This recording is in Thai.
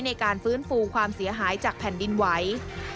ในการฟื้นฟูความเสียหายจากแผ่นดินไหว